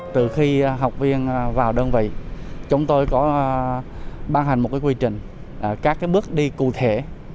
từ khi học viên vào đơn vị chúng tôi có ban hành một quy trình các bước đi cụ thể